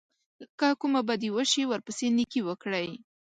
که کومه بدي وشي ورپسې نېکي وکړئ.